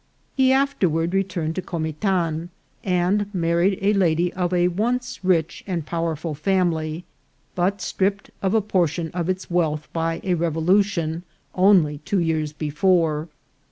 He afterward re turned to Qomitan, and married a lady of a once rich and powerful family, but stripped of a portion of its wealth by a revolution only two years before.